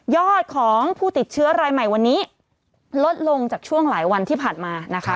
อดของผู้ติดเชื้อรายใหม่วันนี้ลดลงจากช่วงหลายวันที่ผ่านมานะคะ